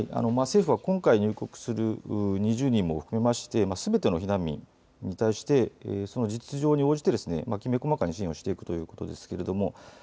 政府は今回入国する２０人も含めましてすべての避難民に対してその実情に応じきめ細かに支援をしていくということですけれども。